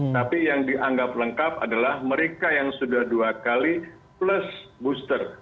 tapi yang dianggap lengkap adalah mereka yang sudah dua kali plus booster